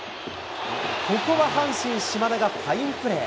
ここは阪神、島田がファインプレー。